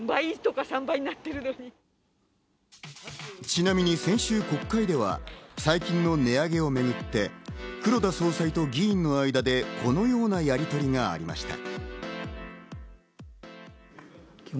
ちなみに先週、国会では最近の値上げをめぐって、黒田総裁と議員の間でこのようなやりとりがありました。